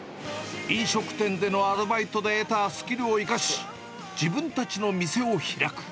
飲食店でのアルバイトで得たスキルを生かし、自分たちの店を開く。